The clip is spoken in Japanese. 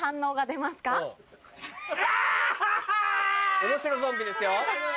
おもしろゾンビですよ？